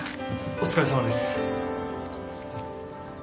お疲れさまです